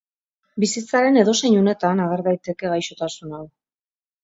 Bizitzaren edozein unetan ager daiteke gaixotasun hau.